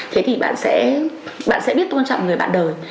thế thì bạn sẽ biết tôn trọng người bạn đời